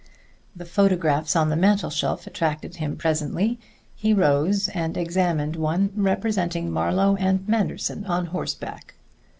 The photographs on the mantel shelf attracted him presently. He rose and examined one representing Marlowe and Manderson on horseback.